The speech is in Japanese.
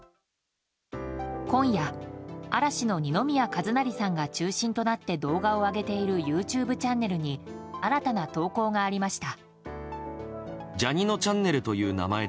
今夜、嵐の二宮和也さんが中心となって動画を上げているＹｏｕＴｕｂｅチャンネルに新たな投稿がありました。